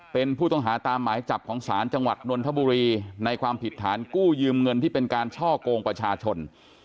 เป็นผู้ต้องหาตามหมายจับของศาลจังหวัดนนทบุรีในความผิดฐานกู้ยืมเงินที่เป็นการช่อกงประชาชน